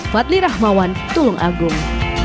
fadli rahmawan tulung agung